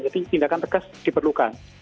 jadi tindakan tegas diperlukan